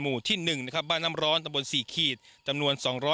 หมู่ที่หนึ่งนะครับบ้านน้ำร้อนทำบนสี่ขีดจำนวน